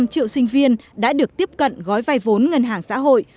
ba năm triệu sinh viên đã được tiếp cận gói vai vốn ngân hàng xã hội